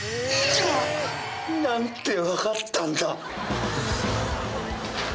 ななんで分かったんだ！？